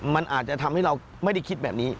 มันอาจจะทำให้เราไม่ได้คิดแบบนี้